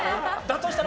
としたら